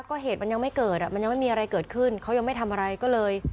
ก็เหตุมันยังไม่เกิดอ่ะมันยังไม่มีอะไรเกิดขึ้นเขายังไม่ทำอะไรก็เลย